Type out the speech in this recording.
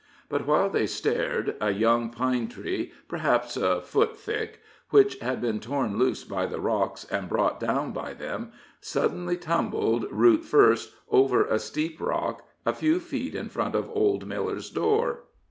But while they stared, a young pine tree, perhaps a foot thick, which had been torn loose by the rocks and brought down by them, suddenly tumbled, root first, over a steep rock, a few feet in front of old Miller's door.